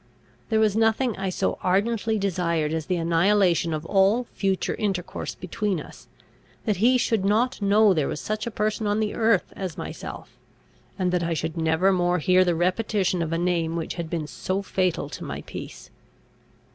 There was nothing I so ardently desired as the annihilation of all future intercourse between us, that he should not know there was such a person on the earth as myself, and that I should never more hear the repetition of a name which had been so fatal to my peace.